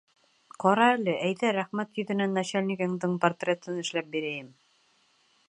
Ҡара әле, әйҙә рәхмәт йөҙөнән начальнигыңдың портретын эшләп бирәйем!